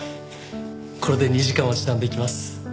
これで２時間は時短できます。